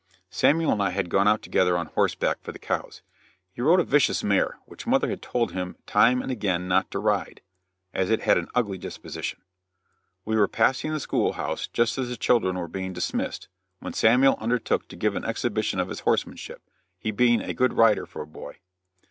Samuel and I had gone out together on horseback for the cows. He rode a vicious mare, which mother had told him time and again not to ride, as it had an ugly disposition. We were passing the school house just as the children were being dismissed, when Samuel undertook to give an exhibition of his horsemanship, he being a good rider for a boy.